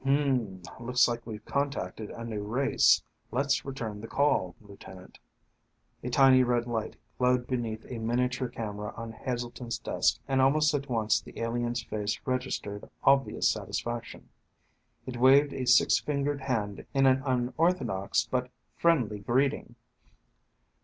"Hmmm, looks like we've contacted a new race. Let's return the call, Lieutenant." A tiny red light glowed beneath a miniature camera on Heselton's desk and almost at once the alien's face registered obvious satisfaction. It waved a six fingered hand in an unorthodox, but friendly, greeting.